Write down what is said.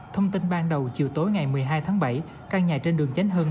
thông tin ban đầu chiều tối ngày một mươi hai tháng bảy căn nhà trên đường chánh hưng